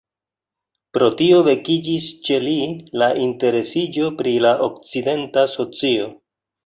Pro tio vekiĝis ĉe li la interesiĝo pri la okcidenta socio.